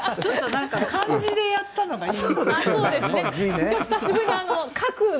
漢字でやったのがいい。